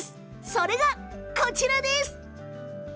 それがこちらです。